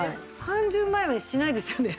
３０万円はしないですよね？